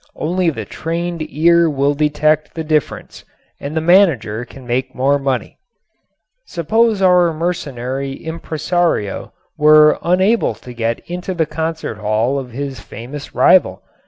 Only the trained ear will detect the difference and the manager can make more money. Suppose our mercenary impresario were unable to get into the concert hall of his famous rival.